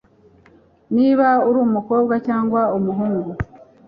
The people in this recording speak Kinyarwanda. niba uri umukobwa cyangwa umuhungu